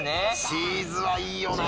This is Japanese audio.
チーズはいいの？